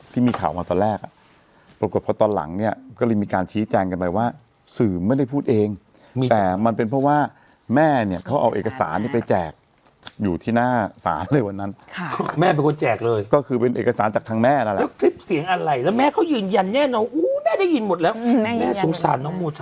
ที่มีข่าวมาตอนแรกอ่ะปรากฏพอตอนหลังเนี่ยก็เลยมีการชี้แจงกันไปว่าสื่อไม่ได้พูดเองแต่มันเป็นเพราะว่าแม่เนี่ยเขาเอาเอกสารเนี่ยไปแจกอยู่ที่หน้าศาลเลยวันนั้นค่ะแม่เป็นคนแจกเลยก็คือเป็นเอกสารจากทางแม่นั่นแหละแล้วคลิปเสียงอะไรแล้วแม่เขายืนยันแน่นอนอู้แม่ได้ยินหมดแล้วแม่สงสารน้องโม